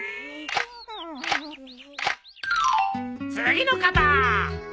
次の方。